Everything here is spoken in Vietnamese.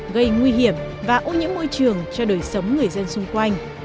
gây nguy hiểm và ô nhiễm môi trường cho đời sống người dân xung quanh